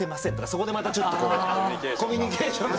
そこでまた、ちょっとこうコミュニケーションが。